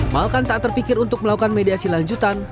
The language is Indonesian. malkan tak terpikir untuk melakukan mediasi lanjutan